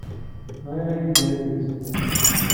Bɣiɣ ad iyi-d-terr adlis-nni.